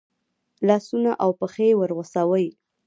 لاسونه او پښې ورغوڅوي.